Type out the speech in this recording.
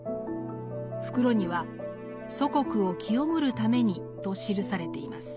袋には「祖国を潔むる為に！」と記されています。